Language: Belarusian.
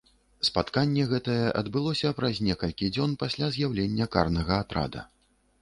Спатканне гэтае адбылося праз некалькі дзён пасля з'яўлення карнага атрада.